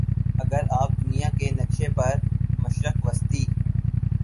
اگر آپ دنیا کے نقشے پر مشرق وسطیٰ